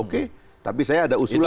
oke tapi saya ada usulan